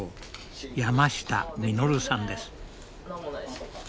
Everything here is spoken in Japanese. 山下實さんです。